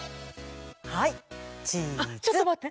はいチー。